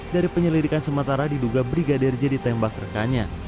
dari penyelidikan sementara diduga brigadir j ditembak rekannya